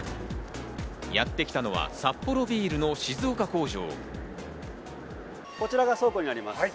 やってきたのはサッポロビールの静岡工場。